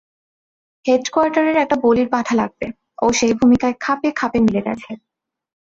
হেডকোয়ার্টারের একটা বলির পাঁঠা লাগবে, ও সেই ভূমিকায় খাপে খাপে মিলে গেছে।